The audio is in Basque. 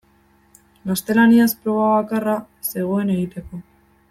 Gaztelaniaz proba bakarra zegoen egiteko.